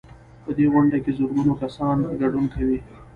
په دې غونډه کې زرګونه کسان ګډون کوي.